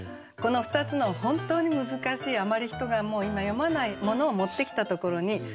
この２つの本当に難しいあまり人がもう今読まないものを持ってきたところに